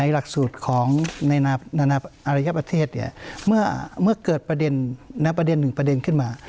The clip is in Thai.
หลักสูตรของในอารยประเทศเมื่อเกิดประเด็นหนึ่งประเด็นขึ้นมา